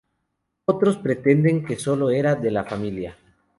Otros pretenden que sólo era de la familia.